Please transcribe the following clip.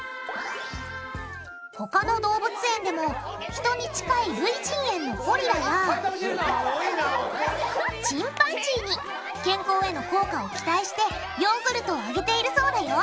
他の動物園でも人に近い類人猿のゴリラやチンパンジーに健康への効果を期待してヨーグルトをあげているそうだよ